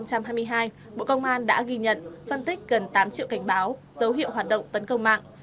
năm hai nghìn hai mươi hai bộ công an đã ghi nhận phân tích gần tám triệu cảnh báo dấu hiệu hoạt động tấn công mạng